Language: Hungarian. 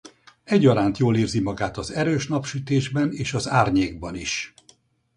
Egyaránt jól érzi magát az erős Napsütésben és az árnyékban is.